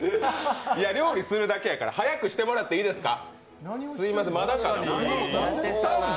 いや、料理するだけやから、早くしてもらっていいですか？